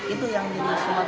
itu yang jadi sebabnya